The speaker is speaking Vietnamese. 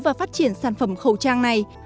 và phát triển sản phẩm khẩu trang này